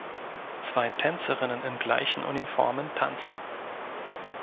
Zwei Tänzerinnen in gleichen Uniformen tanzen.